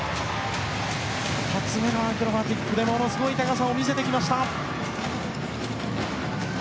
２つ目のアクロバティックでものすごい高さを見せてきた。